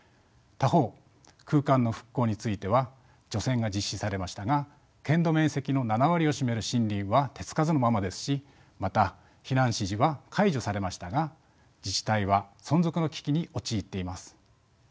他方空間の復興については除染が実施されましたが県土面積の７割を占める森林は手付かずのままですしまた避難指示は解除されましたが自治体は存続の危機に陥っています。